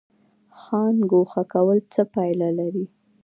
ځان ګوښه کول څه پایله لري؟